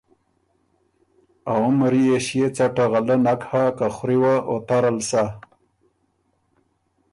ا عمر يې ݭيې څټه غلۀ نک هۀ که خوری وه او ترل سۀ۔